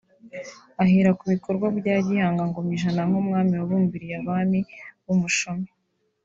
ahera ku bikorwa bya Gihanga Ngomijana nk’umwami wabimburiye abami b’umushumi